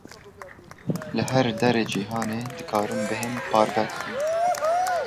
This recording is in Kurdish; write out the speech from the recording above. Li her derê cîhanê dikarin bihên parvekirin.